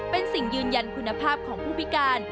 เป็นสิ่งยืนยันคุณภาพของผู้พิการ